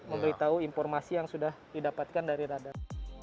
memberitahu informasi yang sudah didapatkan dari radar